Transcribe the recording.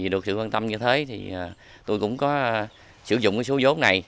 được sự quan tâm như thế thì tôi cũng có sử dụng số giống này